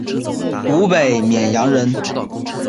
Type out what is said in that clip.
湖北沔阳人。